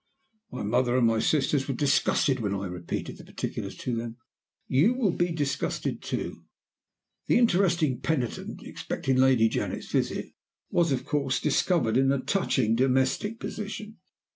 My mother and my sisters were disgusted when I repeated the particulars to them. You will be disgusted too. "The interesting penitent (expecting Lady Janet's visit) was, of course, discovered in a touching domestic position!